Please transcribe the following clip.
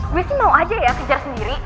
gue sih mau aja ya kejar sendiri